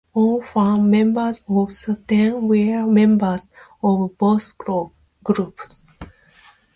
All founding members of The Ten were members of both groups.